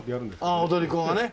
ああ踊り子がね。